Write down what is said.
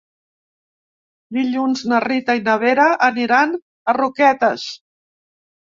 Dilluns na Rita i na Vera aniran a Roquetes.